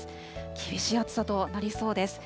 厳しい暑さとなりそうです。